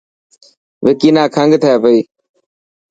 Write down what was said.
وڪي نا کنگ ٿي پئي .